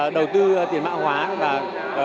đầu tư tiền mã hóa là nft